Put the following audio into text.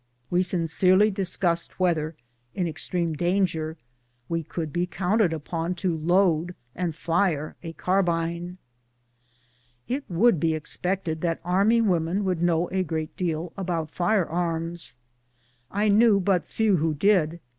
We sincerely discussed whether, in extreme danger, we could be counted upon to load and fire a carbine. It would be expected that army women would know a great deal about fire arms ; I knew but few who did.